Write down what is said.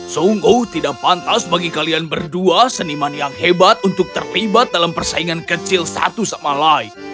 sungguh tidak pantas bagi kalian berdua seniman yang hebat untuk terlibat dalam persaingan kecil satu sama lain